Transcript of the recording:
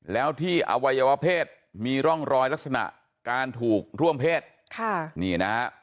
แล้วที่อวัยวะเพศมีร่องรอยลักษณะการถูกร่วมเพศค่ะนี่นะฮะ